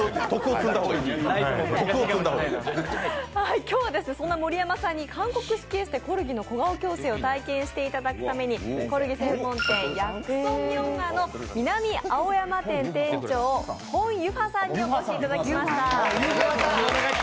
今日はそんな盛山さんに韓国式エステ、コルギを体験していただくためにコルギ専門店、薬手名家の南青山店店長、ホン・ユファさんにお越しいただきました。